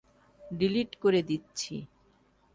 দাও, ডিলিট করে দিচ্ছি।